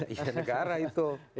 iya negara itu